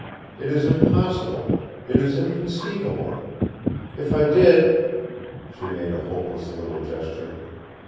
It is impossible. It is inconceivable. If I did " She made a hopeless little gesture.